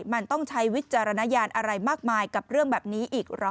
มันต้องใช้วิจารณญาณอะไรมากมายกับเรื่องแบบนี้อีกเหรอ